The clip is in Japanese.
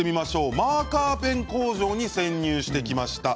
マーカーペン工場に潜入してきました。